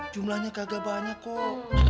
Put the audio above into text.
jumlahnya kagak banyak kok